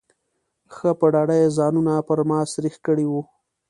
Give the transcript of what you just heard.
ښه په ډاډه یې ځانونه پر ما سرېښ کړي وو.